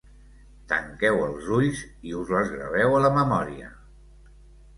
Tanqueu els ulls i us les graveu a la memòria.